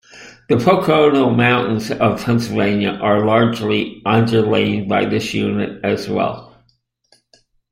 The Pocono Mountains of Pennsylvania are largely underlain by this unit as well.